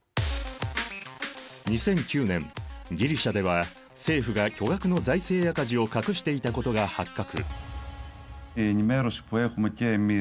２００９年ギリシアでは政府が巨額の財政赤字を隠していたことが発覚。